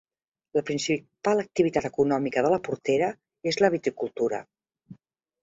La principal activitat econòmica de la Portera és la viticultura.